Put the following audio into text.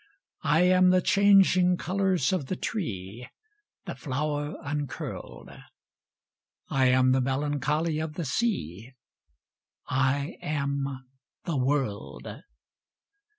I am the changing colours of the tree; The flower uncurled: I am the melancholy of the sea; I am the world.